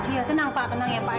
iya tenang pak